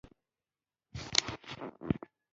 صيب خبره ډېره عاجله ده.